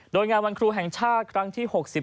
โดยงานวันครูแห่งชาติครั้งที่๖๑